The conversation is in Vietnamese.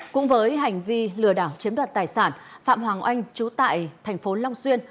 cũng với hành vi lừa đảo chiếm đoạt tài sản phạm hoàng anh trú tại thành phố long xuyên